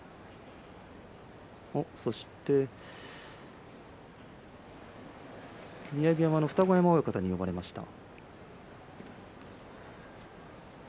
そして雅山の二子山親方に呼ばれました。